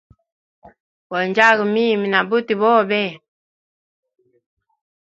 Go njyaga mimi na buti bobe.